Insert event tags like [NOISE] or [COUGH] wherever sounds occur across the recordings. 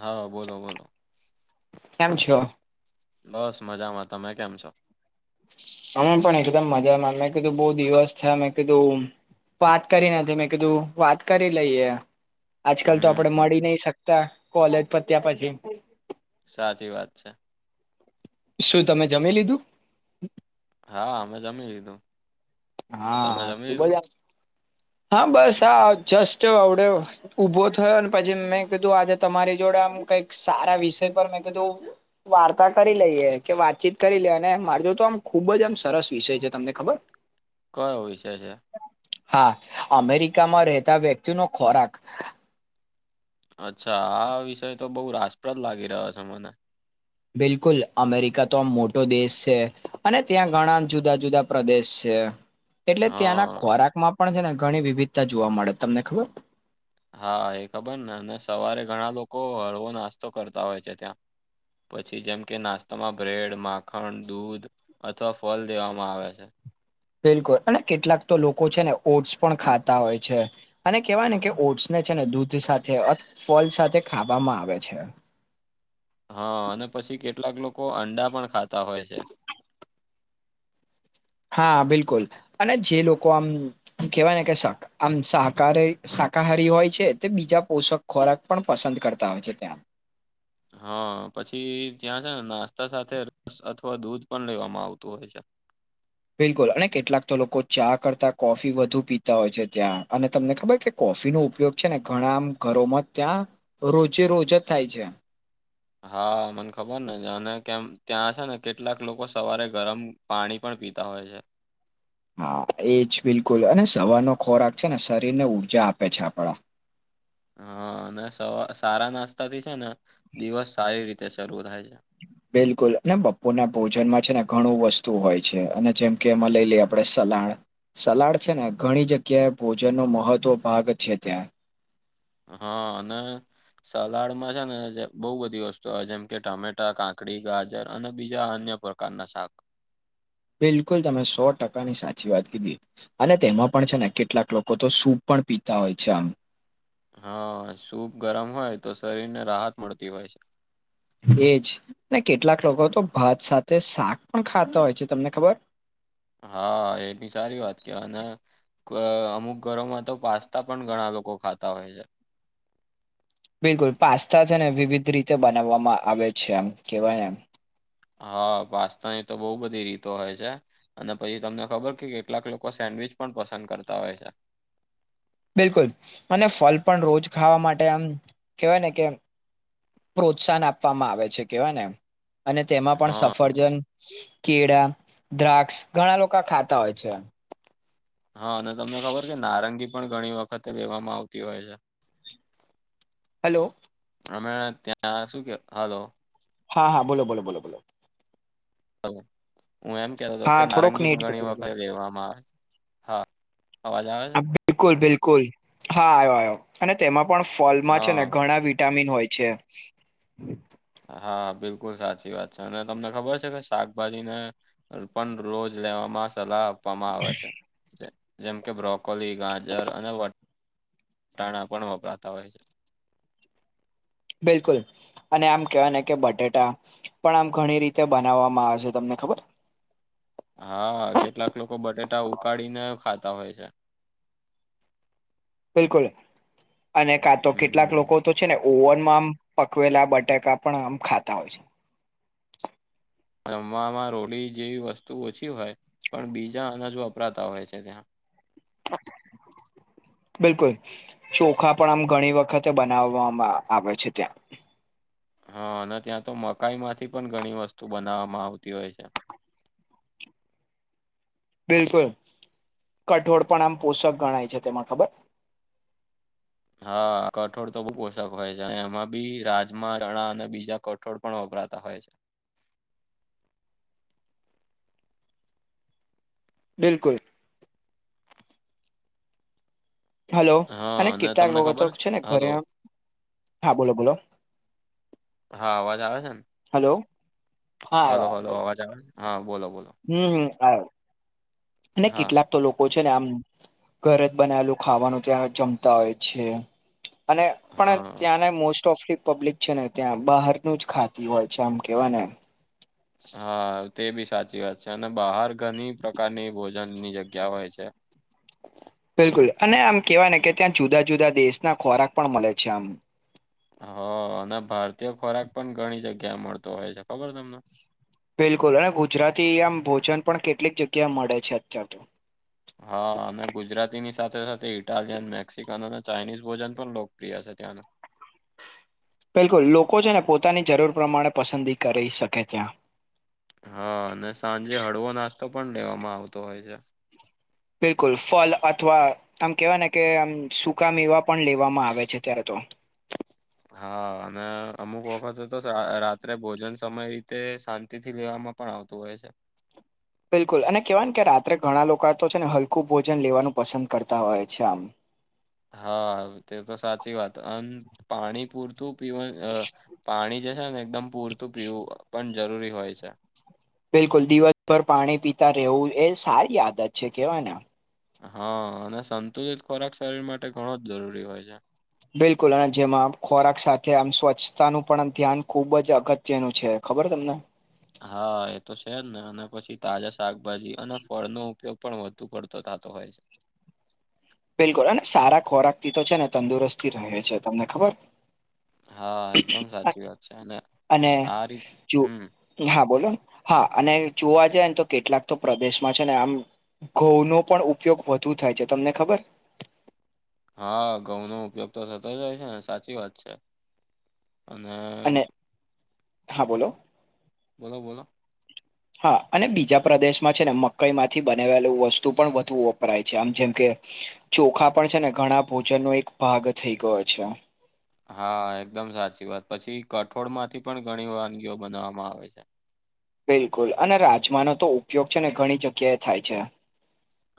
હા, બોલો-બોલો. કેમ છો? બસ મજામાં. તમે કેમ છો? અમે પણ એકદમ મજામાં મેં કીધું બહું દિવસ થયા મેં કીધું વાત કરી નથી મેં કીધું વાત કરી લઈએ. આજકાલ તો આપડે મળી હમ નહીં શકતા કોલેજ પત્યા પછી. સાચી વાત છે. શું તમે જમી લીધું? હા, અમે જમી લીધું. તમે હા. જમી લીધું [UNINTELLIGIBLE] હા બસ આ જસ્ટ આવવડે ઉભો થયો પછી મેં કીધું આજે તમારી જોડે આમ કઈક સારા વિષય પર મેં કીધું વાર્તા કરી લઈએ કે વાતચીત કરી લઈએ અને માર જો તો આમ ખુબ જ આમ સરસ વિષય છે. તમને ખબર? કયો વિષય છે? હા, અમેરિકામાં રહેતા વ્યક્તિનો ખોરાક અચ્છા, આ વિષય તો બહુ રાસપ્રદ લાગી રહ્યો છે મને. બિલકુલ, અમેરિકા તો આમ મોટો દેશશે અને ત્યાં ઘણા જુદા જુદા પ્રદેશ છે. એટલે ત્યાંના હા ખોરાક માં પણ છે ને ઘણી વિવિધતા જોવા મળે તમને ખબર હા એ ખબર ને અને સવારે ઘણા લોકો હળવો નાસ્તો કરતા હોય છે ત્યાં પછી જેમ કે નાસ્તામાં બ્રેડ માખણ દૂધ અથવા ફલ દેવામાં આવે છે. બિલકુલ અને કેટલાક તો લોકો છે ને ઓટ્સ પણ ખાતા હોય છે. અને કેહેવાય ને કે ઓટ્સને છે ને દૂધ સાથે ફલ સાથે ખાવામાં આવે છે. હા અને પછી કેટલાક લોકો અંડા પણ ખાતા હોય છે. હા બિલકુલ અને જે લોકો આમ કહેવાય ને કે શાક આમ શાકા શાકાહારી હોય છે તે બીજા પોષક ખોરાક પણ પસંદ કરતા હોય છે ત્યાં હા પછી ત્યાં છે ને નાસ્તા સાથે રસ અથવા દૂધ પણ લેવામાં આવતું હોય છે. બિલકુલ અને કેટલાક તો લોકો ચા કરતા કોફી વધુ પીતા હોય છે ત્યાં અને તમને ખબર છે કોફી નો ઉપયોગ છે ને ઘણા ઘરોમાં ત્યાં રોજે રોજ જ થાય છે. હા મને ખબર ને અને કેમ ત્યાં છે ને કેટલાક લોકો સવારે ગરમ પાણી પણ પીતા હોય છે હા એજ બિલકુલ અને સવારનો ખોરાક છે ને શરીરને ઉઊર્જા આપે છે આપડા હા અને સવા સારા નાસ્તા થી છે ને દિવસ સારી રીતે શરૂ થાય છે. બિલકુલ બપો ના ભોજનમાં છે ને ઘણું વસ્તુ હોય છે અને જેમ કે અમે લઈ લ આપણેે સલાડ સલાડ છે ને ઘણી જગ્યાએ ભોજનનોો મહત્વ ભાગ છે ત્યાં હા અને સલાડમાં છે ને બહુ બધી વસ્તુ આવે જેમ કે ટમેટા કાંકડી ગાજર અને બીજા અન્ય કના શક બિલકુલ તમે સો ટકાની સાચી વાત કીધી અને તેમાં પણ છે ને કેટલાક લોકો તો સૂપ પણ પીતા હોય છે આમ હા સૂપ ગરમ હોય તો શરીર ને રાહત મળતી હોય છે. એજ ને કેટલાક લોકો તો ભાત સાથે શાક પણ ખાતા હોય છે તમને ખબર હા એ બી સારી વાત કેવા અને અ અમુક ઘરોમાં તો પાસ્તા પણ ઘણા લોકો ખાતા હોય છે. બિલકુલ પાસ્તા છે ને વિવિધ રીતે બનાવવામાં આવે છે એમ કેવાય નેમ હા પાસ્તાની તો બહુ બધી રીતો હોય છે. અને પછી તમને ખબર કે કેટલાક લોકો સેન્ડવીચ પણ પસંદ કરતા હોય છે. બિલકુલ અને ફલ પણ રોજ ખાવા માટે આમ કહેવાય ને કે પ્રોત્સાહન આપવામાં આવે છે કેવા ને અને તેમાં પણ હા સફરજન કેળા દ્રાક્ષ ઘણા લોકો ખાતા હોય છે. હા અને તમને ખબર કે નારંગી પણ ઘણી વખતે લેવામાં આવતી હોય છે. [INAUDIBLE] હલ્લો. અમે ત્યાં શું કે હલ્લો. હા હા બોલો બોલો બોલો બોલો. હા. હું એમ કેતો હતો કે હા થોડોક નારંગી નેટ ઘણી જતું વખત રહ્યું લેવામાં આવે હા અવાજ આવે છે. હા, બિલકુલ બિલકુલ હા આવ્યો આવ્યો અને તેમાં પણ ફલમાં છે હા ને ઘણા વિટામિન હોય છે. હા બિલકુલ સાચી વાત છે અને તમને ખબર છે કે શાકભાજીને અલપન રોજ લેવામાં સલા આપવામાં આવે છે જેમકે બ્રોકોલી ગાજર અને વટ ટાણા પણ વપરાતા હોય છે. બિલકુલ અને આમ કહેવાય ને કે બટેટા પણ આમ ઘણી રીતે બનાવવામાં આવે છે તમને ખબર હા કેટલાક લોકો બટેટા ઉકાળીને ખાતા હોય છે. બિલકુલ અને કા તો કેટલાક હમ લોકો તો છે ને ઓવનમાં આમ પકવેલા બટાકા પણ આમ ખાતા હોય છે તો રમવામાં રોલી જેવી વસ્તુ ઓછી હોય પણ બીજા અનાજ વપરાતા હોય છે ત્યાં. હા. બિલકુલ ચોખા પણ આમ ઘણી વખતે બનાવવામાં આવે છે ત્યાં. હા અને ત્યાં તો મકાઈ માંથી પણ ઘણી વસ્તુ બનાવવામાં આવતી હોય છે. બિલકુલ કઠોળ પણ આમ પોષક ગણાય છે તેમાં ખબર હા કઠોળ તો બહુ પોષક હોય છે એમાં બી રાજમા ચણા અને બીજા કઠોળ પણ વપરાતા હોય છે. બિલકુલ હલો અને હા કેટલાક તમને લોકો તો ખબર છે ને હલો ઘરે હા બોલો બોલો. હા અવાજ આવે છે હલો ને હલો હલો અવાજ આવે હા બોલો બોલો. હમ્મ હમ્મ આવે અને હા કેટલા તો લોકો છે ને આમ ઘરે જ બનાયેલું ખાવાનું ત્યાં જમતા હોય છે. અને પણ હા ત્યાંને મોસ્ટ ઓફ પબ્લિક છે ને ત્યાં બહારનું જ ખાતી હોય છે આમ કેવાય ને હા તે બી સાચી વાત છે અને બહાર ઘણી પ્રકારની ભોજનની જગ્યા હોય છે. બિલકુલ અને આમ કેવા ને કે ત્યાં જુદા જુદા દેશના ખોરાક પણ મળે છે આમ. હ અને ભારતીય ખોરાક પણ ઘણી જગ્યા મળતો હોય છે ખબર તમને. બિલકુલ અને ગુજરાતી આમ ભોજન પણ કેટલીક જગ્યા મળે છે અત્યાર તો હા અને ગુજરાતીની સાથે સાથે ઇટાલિયન મેક્સિકન અને ચાઇનીઝ ભોજન પણ લોકપ્રિય છે ત્યાંનું બિલકુલ લોકો છે ને પોતાની જરૂર પ્રમાણે પસંદગી કરી શકે ત્યાં હા અને સાંજે હળવો નાસ્તો પણ લેવામાં આવતો હોય છે. બિલકુલ ફલ અથવા આમ કેવાય ને કે આમ સુકા મેવા પણ લેવામાં આવે છે અત્યારે તો હા અને અમુક વખતે તો રાત્રે ભોજન સમય રીતે શાંતિ થી લેવામાં પણ આવતું હોય છે. બિલકુલ અને કહેવાય ને કે રાત્રે ઘણા લોકો તો છે ને હલકું ભોજન લેવાનું પસંદ કરતા હોય છે આમ હા તે તો સાચી વાત અન પાણી પૂરતું પીવુ પાણી જે છે ને એકદમ પૂરતું પીવું પણ જરૂરી હોય છે. બિલકુલ દિવસભર પાણી પીતા રહેવું એ સારી આદત છે કેવાય ને. હા અને સંતુલિત ખોરાક શરીર માટે ઘણો જ જરૂરી હોય છે. બિલકુલ અને જેમાં ખોરાક સાથે આમ સ્વચ્છતા નું પણ ધ્યાન ખુબ જ અગત્યનું છે ખબર તમને. હા એ તો છે જ ને અને પછી તાજા શાકભાજી અને ફળનોો ઉપયોગ. પણ વધુ કરડતો થતો હોય. બિલકુલ અને સારા ખોરાક થી તો છે ને તંદુરસ્તતી રહે છે તમને ખબર. હા એકદમ અ સાચી વાત છે અને અને આ રીત જો હમ હા બોલોને હા અને જોવા જઈ ને તો કેટલાક તો પ્રદેશમાં છે ને આમ ઘઉ નો પણ ઉપયોગ વધુ થાય છે તમને ખબર. હા ઘઉંનોો ઉપયોગ તો થતો જાય છે ને સાચી વાત છે અને અને હા બોલો બોલો બોલો હા અને બીજા પ્રદેશમાં છે ને મકઈ માંથી બનાવેલું વસ્તુ પણ વધુ વપરાય છે આમ જેમ કે ચોખા પણ છે ને ઘણા ભોજનનોો એક ભાગ થઈ ગયો છે. હા એકદમ સાચી વાત પછી કઠોળ માંથી પણ ઘણી વાનગીઓ બનાવવામાં આવે છે. બિલકુલ અને રાજમાનો તો ઉપયોગ છે ને ઘણી જગ્યાએ થાય છે.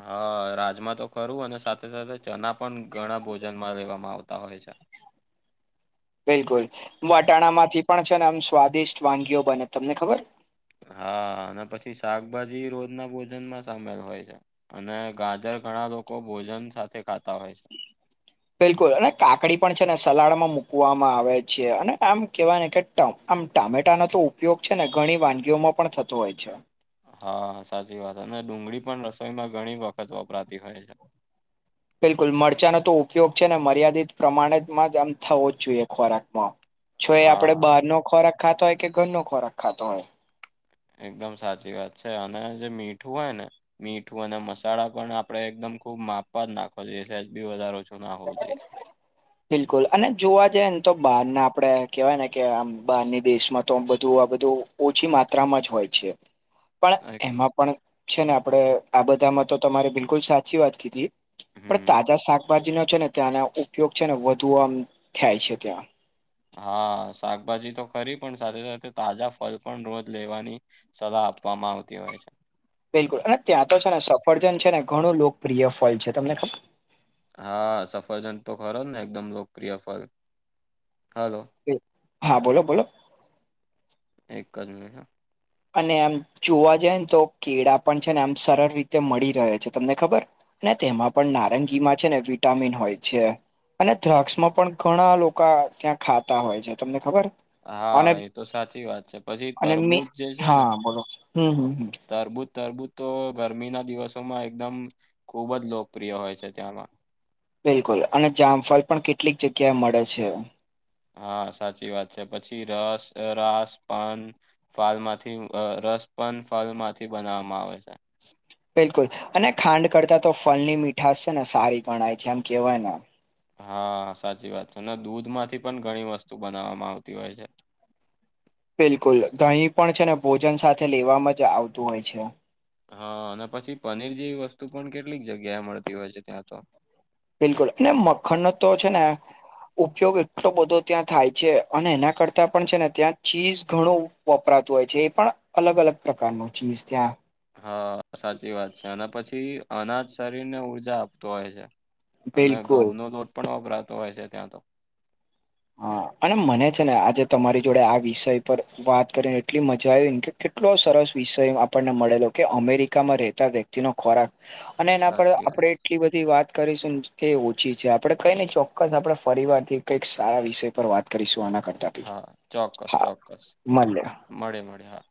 હા રાજમા તો ખરું અને સાથે સાથે ચણા પણ ઘણા ભોજનમાં લેવામાં આવતા હોય છે. બિલકુલ વટાણા માંથી પણ છે ને આમ સ્વાદિષ્ટ વાનગીઓ બને તમને ખબર. હા અને પછી શાકભાજી રોજના ભોજન માં સામેલ હોય છે. અને ગાજર ઘણા લોકો ભોજન સાથે ખાતા હોય છે. બિલકુલ અને કાકડી પણ છે ને સલાડમાં મૂકવામાં આવે છે અને આમ કહેવાય ને કે આમ ટામેટાનો તો ઉપયોગ છે ને ઘણી વાનગીઓમાં પણ થતો હોય છે. હા સાચી વાત અને ડુંગળી પણ રસોઈમાં ઘણી વખત વપરાતી હોય છે. બિલકુલ મરચાનોો તો ઉપયોગ છે ને મર્યાદિત પ્રમાણેમાં જ આમ થવો જ જોઈએ ખોરાકમાં છ એ આપડે હા બહાર નો ખોરાક ખાતો હોય કે ઘરનો ખોરાક ખાતો હોય. એકદમ સાચી વાત છે અને જે મીઠું હોય ને મીઠું અને મસાલા પણ આપડે એકદમ ખુબ માપવા જ નાખો છઈએ એ સલેસ બી વધારે ઓછું ના હોવું જોઈએ. [INAUDIBLE] બિલકુલ અને જોવા જઈ ને તો બહારને આપડે કેહેવાય ને કે આમ બહારની દેશમાં તો બધું આ બધું ઓછી માત્રામાં જ હોય છે. [INAUDIBLE] પણ એમાં પણ છે ને આપણેે આ બધામાં તો તમારે બિલકુલ સાચી વાત કીધી. પણ હમ તાજા શાકભાજીનો છે ને ત્યાંનો ઉપયોગ છે ને વધુ આમ થાય છે ત્યાં. હા શાકભાજી તો ખરી પણ સાથે સાથે તાજા ફલ પણ રોજ લેવાની સલાહ આપવામાં આવતી હોય છે. બિલકુલ અને ત્યાં તો છે ને સફરજન છે ને ઘણું લોકપ્રિય ફળ છે તમને ખબર. હા સફરજન્ટ તો ખરો ને એકદમ લોકપ્રિય ફળ હલો. હા બોલો બોલો એક ક જમીટ અને એમ જોવા જાયને તો કેળા પણ છે ને એમ સરળ રીતે મળી રહે છે તમને ખબર ને તેમાં પણ નારંગીમાં છે ને વિટામિન હોય છે. અને દ્રગ્સમાં પણ ઘણા લોકો ત્યાં ખાતા હોય છે તમને ખબર. અને હા એ તો સાચી વાત છે પછી અને મે તરબૂજ જે છે ને હા બરો હમ હમ હ તરબૂજ તરબૂજ તો ગરમીના દિવસોમાં એકદમ ખુબ જ લોકપ્રિય હોય છે ત્યાંમાં બિલકુલ અને જામફલ પણ કેટલીક જગ્યાએ મળે છે. હા સાચી વાત છે પછી રસ રાસપન ફળ માંથી રસ પણ ફળ માંથી બનાવવામાં આવે છે. બિલકુલ અને ખાંડ કરતા તો ફલની મીઠાશ છે ને સારી ગણાય છે એમ કેવાય. હા સાચી વાત છે ને દૂધમાંથી પણ ઘણી વસ્તુ બનાવવામાં આવતી હોય છે. બિલકુલ ઘહી પણ છે ને ભોજન સાથે લેવામાં જ આવતું હોય છે. હા અને પછી પનીર જેવી વસ્તુ પણ કેટલીક જગ્યાએ મળતી હોય છે. ત્યાં તો બિલકુલ અને મખણ ન તો છે ને. ઉપયોગ એટલો બધો ત્યાં થાય છે. અને એના કરતાં પણ છે ને ત્યાં ચીઝ ઘણું વપરાતું હોય છે. એ પણ અલગ અલગ પ્રકારનો ચીઝ ત્યાં હા સાચી વાત છે. અને પછી અનાજ શરીર ને ઊર્જા આપતું હોય છે. અને ઘઉં બિલકુલ નો લોટ પણ વપરાતો હોય છે. ત્યાં તો હા [INAUDIBLE] અને મને છે ને આજે તમારી જોડે આ વિષય પર વાત કરીને એટલી મજા આવી ને કે કેટલો સરસ વિષય આપણને મળેલો કે અમેરિકામાં રહેતા વ્યક્તિનો ખોરાક. અને એના પર સાચી વાત આપણેે એટલી બધી વાત કરીશું. એ ઓછી છે. આપડે કઈ નહી ચોક્કસ આપણેે ફરીવારથી કંઈક સારા વિષય પર વાત કરીશું આના કરતા. બી હા ચોક્કસ હા ચોક્કસ. મળે મળે મળે હા.